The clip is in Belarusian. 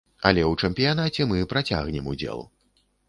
Але ў чэмпіянаце мы працягнем удзел.